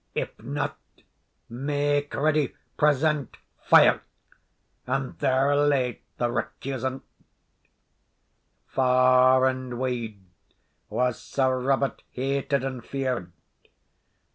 If not "Make ready present fire!" and there lay the recusant. Far and wide was Sir Robert hated and feared.